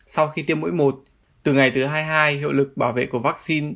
sau khi tiêm mũi một từ ngày thứ hai mươi hai hiệu lực bảo vệ của vaccine